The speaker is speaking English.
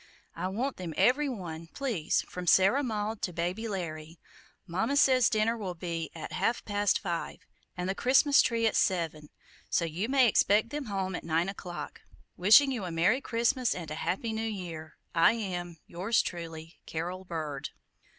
I want them every one, please, from Sarah Maud to Baby Larry. Mama says dinner will be at half past five, and the Christmas tree at seven; so you may expect them home at nine o'clock. Wishing you a Merry Christmas and a Happy New Year, I am, yours truly, CAROL BIRD."